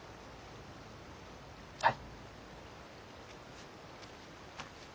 はい。